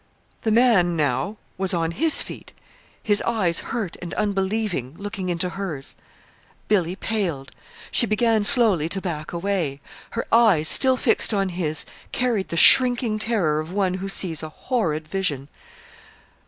The man, now, was on his feet, his eyes hurt and unbelieving, looking into hers. Billy paled. She began slowly to back away. Her eyes, still fixed on his, carried the shrinking terror of one who sees a horrid vision.